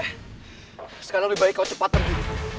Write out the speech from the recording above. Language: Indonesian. sekarang lebih baik kau cepat pergi